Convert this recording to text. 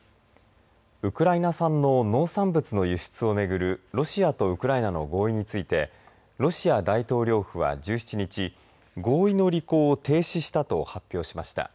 ウクライナ産の農産物の輸出を巡るロシアとウクライナの合意についてロシア大統領府は１７日合意の履行を停止したと発表しました。